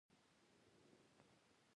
استاد د زړونو باور لري.